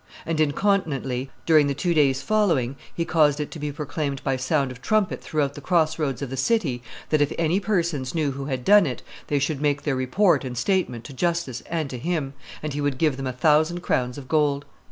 And, incontinently, during the two days following, he caused it to be proclaimed by sound of trumpet throughout the cross roads of the city that if any persons knew who had done it they should make their report and statement to justice and to him, and he would give them a thousand crowns of gold.